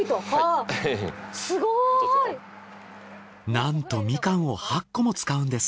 なんとみかんを８個も使うんです。